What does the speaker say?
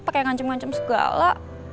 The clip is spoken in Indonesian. pakai ngancem ngancem segala